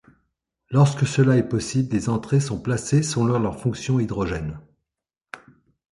Lorsque cela est possible, les entrées sont classées selon leur fonction hydrogène.